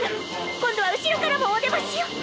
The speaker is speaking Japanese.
今度は後ろからもおでましよ！